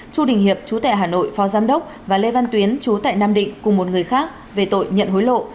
chu đình hiệp chú tại hà nội phó giám đốc và lê văn tuyến chú tại nam định cùng một người khác về tội nhận hối lộ